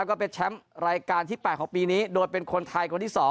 ขอบคุณมากเลย